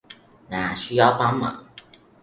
哪需要幫忙